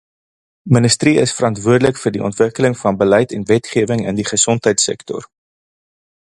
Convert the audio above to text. Ministerie is verantwoordelik vir die ontwikkeling van beleid en wetgewing in die gesondheidsektor.